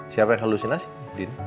siapa yang halusinasi